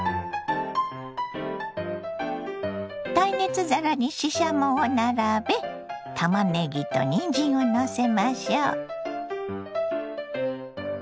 耐熱皿にししゃもを並べたまねぎとにんじんをのせましょう。